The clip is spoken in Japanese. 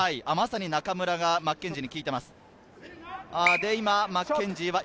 中村がマッケンジーに聞いています。